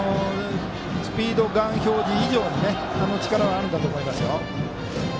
スピードガン表示以上に力はあるんだと思います。